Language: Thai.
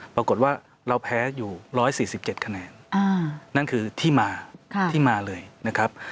ปรากฏว่าเราแพ้อยู่๑๔๗คะแนนนั่นคือที่มาที่มาเลยนะครับ